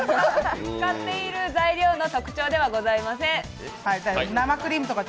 使っている材料の特徴ではございません。